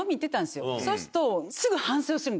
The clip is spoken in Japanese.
そうすると。